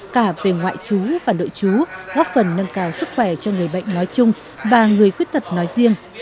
cả về ngoại chú và đội chú góp phần nâng cao sức khỏe cho người bệnh nói chung và người khuyết tật nói riêng